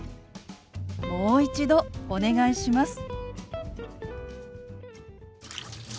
「もう一度お願いします」。